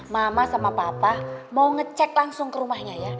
mama sama papa mau ngecek langsung ke rumahnya ya